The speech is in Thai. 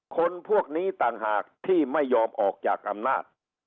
คนพวกนี้ต่างหากที่ไม่ยอมออกจากอำนาจ